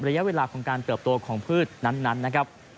ระยะเวลาของการเติบโตของพืชนั้นนะครับ